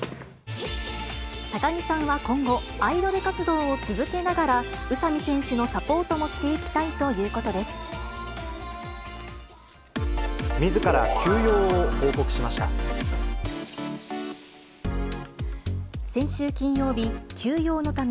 高城さんは今後、アイドル活動を続けながら、宇佐見選手のサポートもしていきたいということみずから休養を報告しました。